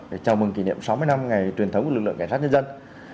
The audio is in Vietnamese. để chào mừng kỷ niệm sáu mươi năm ngày truyền thống của lực lượng cảnh sát nhân dân